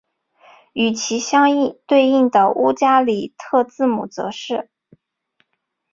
与其相对应的乌加里特字母则是。